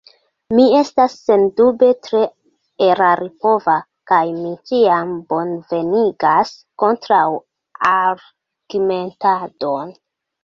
Mi estas sendube tre eraripova, kaj mi ĉiam bonvenigas kontraŭargumentadon.